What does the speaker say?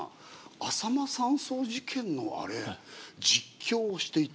あさま山荘事件のあれ実況をしていた？